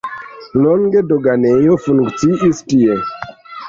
Longe doganejo funkciis tie.